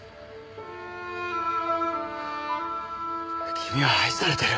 君は愛されてる。